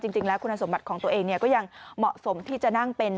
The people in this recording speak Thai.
จริงแล้วคุณสมบัติของตัวเองก็ยังเหมาะสมที่จะนั่งเป็น